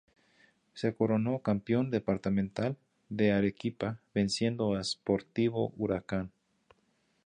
Se Coronó campeón departamental de Arequipa venciendo a Sportivo Huracán.